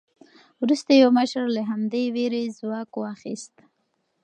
وروسته یو مشر له همدې وېرې ځواک واخیست.